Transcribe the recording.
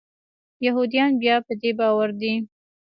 یهودیان بیا په دې باور دي.